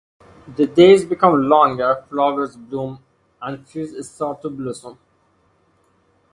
The days become longer, flowers bloom, and trees start to blossom.